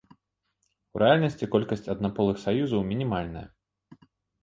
У рэальнасці колькасць аднаполых саюзаў мінімальная.